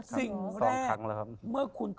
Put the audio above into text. สิ่งแรกเมื่อคุณถูก